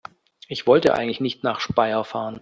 Ich wollte eigentlich nicht nach Speyer fahren